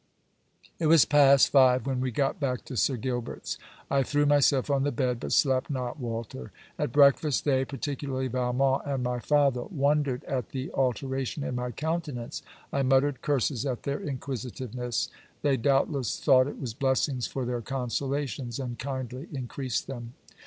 It was past five when we got back to Sir Gilbert's I threw myself on the bed; but slept not, Walter. At breakfast they, particularly Valmont and my father, wondered at the alteration in my countenance. I muttered curses at their inquisitiveness. They, doubtless, thought it was blessings for their consolations; and kindly increased them.